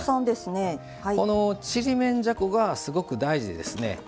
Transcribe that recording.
このちりめんじゃこがすごく大事ですね。